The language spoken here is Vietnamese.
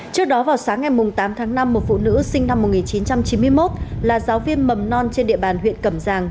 trước đó vào sáng ngày tám tháng năm một phụ nữ sinh năm một nghìn chín trăm chín mươi một là giáo viên mầm non trên địa bàn huyện cẩm giang